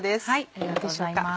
ありがとうございます。